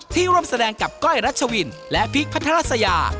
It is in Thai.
ที่ร่วมแสดงกับก้อยรัชวินและภิกษ์พระธรรษยา